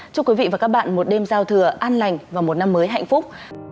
chúc quý vị và các bạn một đêm giao thừa an lành và một năm mới hạnh phúc